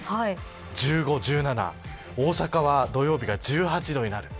１５度、１７度大阪は土曜日が１８度になる。